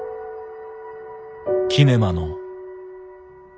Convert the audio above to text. キネマの。